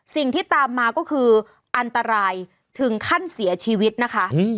สิ่งที่ตามมาก็คืออันตรายถึงขั้นเสียชีวิตนะคะ